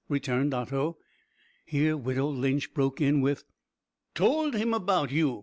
returned Otto. Here widow Lynch broke in with: "Towld him about you?